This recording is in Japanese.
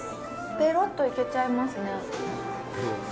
ぺろっといけちゃいますね。